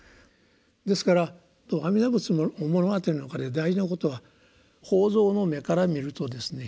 ですから「阿弥陀仏の物語」の中で大事なことは法蔵の目から見るとですね